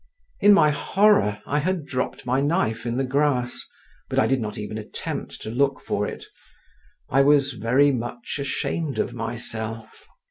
In my horror I had dropped my knife in the grass, but I did not even attempt to look for it; I was very much ashamed of myself.